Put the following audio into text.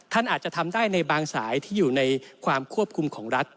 ท่านอาจจะทำได้ในบางสายที่อยู่ในความควบคุมของรัฐ